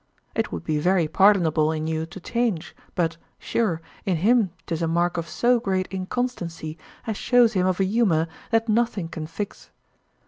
It would be very pardonable in you to change, but, sure, in him 'tis a mark of so great inconstancy as shows him of an humour that nothing can fix.